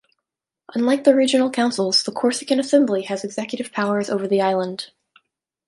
Unlike the regional councils, the Corsican Assembly has executive powers over the island.